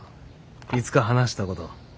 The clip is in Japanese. いつか話したこと。